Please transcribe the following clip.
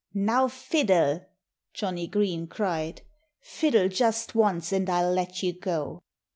"Now, fiddle!" Johnnie Green cried. "Fiddle just once and I'll let you go."